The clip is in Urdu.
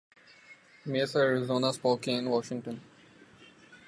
Misa Arizona Spokane Washington